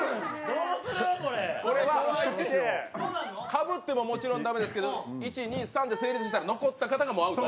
かぶってももちろん駄目ですけど、１、２、３で成立したら残った方がもうアウト。